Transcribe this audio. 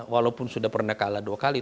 walaupun sudah pernah kalah dua kali